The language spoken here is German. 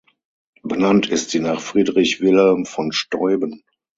Benannt ist sie nach Friedrich Wilhelm von Steuben.